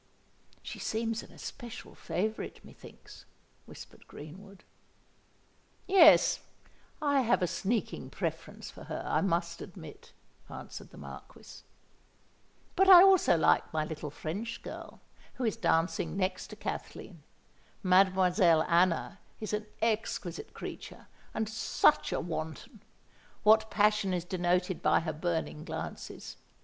"She seems an especial favourite, methinks," whispered Greenwood. "Yes—I have a sneaking preference for her, I must admit," answered the Marquis. "But I also like my little French girl, who is dancing next to Kathleen. Mademoiselle Anna is an exquisite creature—and such a wanton! What passion is denoted by her burning glances!